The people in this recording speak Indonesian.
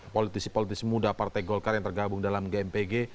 politisi politisi muda partai golkar yang tergabung dalam gmpg